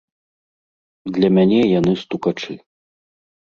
Для мяне яны стукачы.